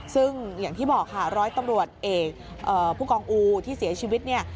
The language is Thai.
ซึ่งอย่างที่บอกค่ะร้อยตำรวจเอกผู้กองอูที่เสียชีวิตเนี่ย